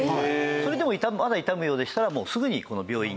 それでもまだ痛むようでしたらすぐに病院に。